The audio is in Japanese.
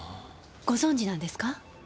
ご存じなんですか？